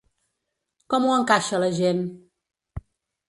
Com ho encaixa la gent?